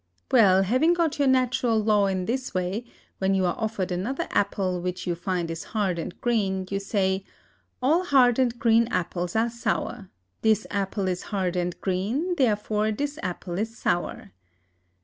Well, having got your natural law in this way, when you are offered another apple which you find is hard and green, you say, "All hard and green apples are sour; this apple is hard and green, therefore this apple is sour."